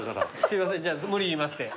すいません無理言いまして。